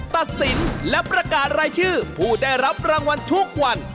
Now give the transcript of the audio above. ตัดสินและประกาศรายชื่อผู้ได้รับรางวัลทุกวัน